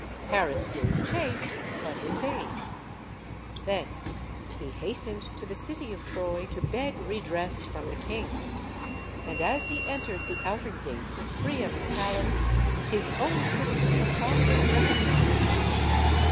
Paris gave chase, but in vain. Then he hastened to the city of Troy to beg redress from the king. And as he entered the outer gates of Priam's palace, his own sister, Cassandra, recognized him.